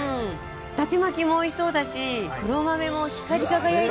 伊達巻もおいしそうだし黒豆も光り輝いて。